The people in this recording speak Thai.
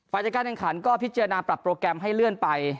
จัดการแข่งขันก็พิจารณาปรับโปรแกรมให้เลื่อนไป